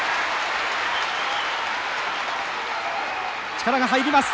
力が入ります。